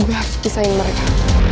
gue harus pisahin mereka